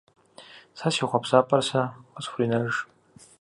Сэ си хъуэпсапӏэр сэ къысхуренэж!